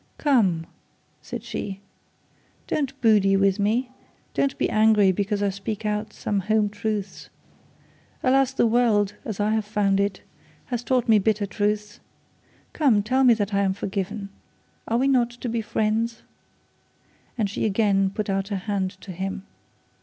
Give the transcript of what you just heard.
'Come,' said she 'don't boody with me: don't be angry because I speak out some home truths. Alas, the world, as I have found it, has taught me bitter truths. Come, tell me that I am forgiven. Are we not to be friends?' and she again put her hand to him.